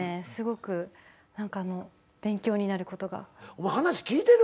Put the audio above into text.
お前話聞いてる？